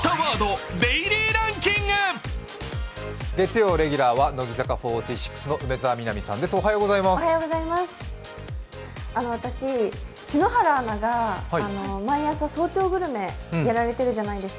月曜レギュラーは乃木坂４６の梅澤美波さんです。